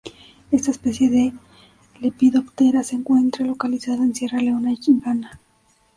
Esta especie de Lepidoptera se encuentra localizada en Sierra Leona y Ghana.